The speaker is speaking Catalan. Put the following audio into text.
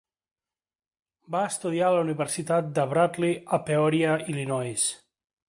Va estudiar a la universitat de Bradley, a Peoria, Illinois.